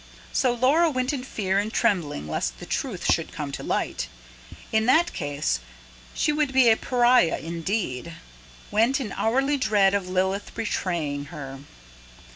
So Laura went in fear and trembling lest the truth should come to light in that case, she would be a pariah indeed went in hourly dread of Lilith betraying her.